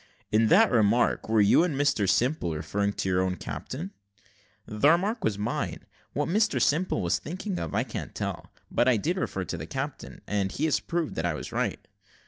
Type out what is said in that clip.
"In that remark, were you and Mr Simple referring to your own captain?" "The remark was mine: what Mr Simple was thinking of I can't tell; but I did refer to the captain, and he has proved that I was right."